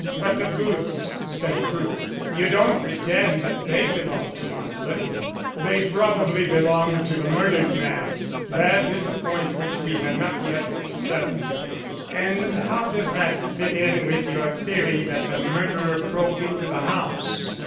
"But the boots," said Crewe. "You don't pretend that they belong to Marsland?" "They probably belonged to the murdered man that is a point which we have not yet settled." "And how does that fit in with your theory that the murderer broke into the house?"